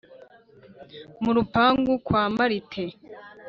mu rupangu kwa marite